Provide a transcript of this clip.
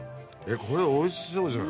これおいしそうじゃん。